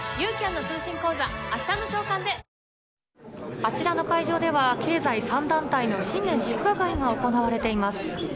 あちらの会場では、経済三団体の新年祝賀会が行われています。